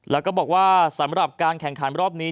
แล้วก็บอกว่าสำหรับการแข่งขันรอบนี้